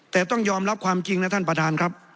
แต่ต้องยอมรับความจริงนะท่านประธานครับ